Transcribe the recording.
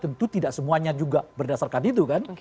tentu tidak semuanya juga berdasarkan itu kan